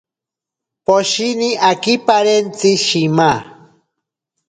Poshini akiparentsi shima.